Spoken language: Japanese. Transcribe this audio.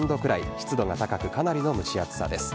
湿度が高くかなりの蒸し暑さです。